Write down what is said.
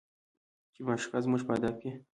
چې معشوقه زموږ په ادب کې